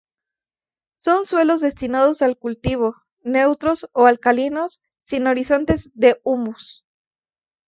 Son suelos destinados al cultivo, neutros o alcalinos, sin horizontes de humus.